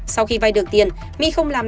sau khi vai được tiền my không làm